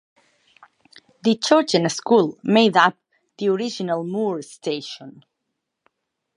The church and school made up the original Moore Station.